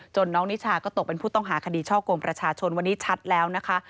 น้องนิชาก็ตกเป็นผู้ต้องหาคดีช่อกงประชาชนวันนี้ชัดแล้วนะคะ